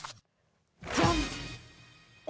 ジャン！